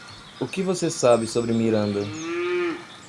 O que você sabe sobre Miranda?